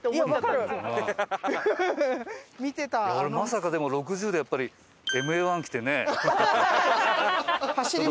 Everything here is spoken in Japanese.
俺まさかでも６０でやっぱりＭＡ−１着てね。